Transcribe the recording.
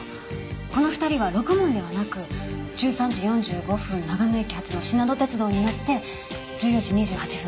この２人はろくもんではなく１３時４５分長野駅発のしなの鉄道に乗って１４時２８分